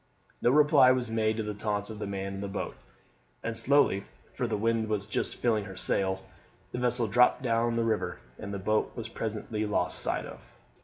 No reply was made to the taunts of the man in the boat, and slowly, for the wind was but just filling her sails, the vessel dropped down the river, and the boat was presently lost sight of.